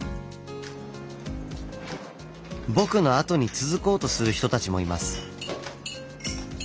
僕のあとに続こうとする人たちもいます。